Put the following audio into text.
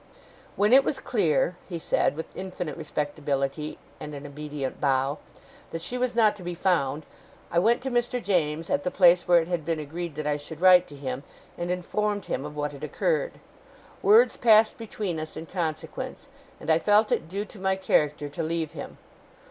'When it was clear,' he said, with infinite respectability and an obedient bow, 'that she was not to be found, I went to Mr. James, at the place where it had been agreed that I should write to him, and informed him of what had occurred. Words passed between us in consequence, and I felt it due to my character to leave him.